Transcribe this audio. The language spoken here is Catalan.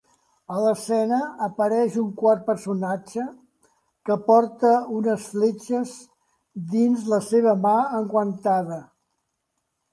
A l'escena apareix un quart personatge que porta unes fletxes dins la seva mà enguantada.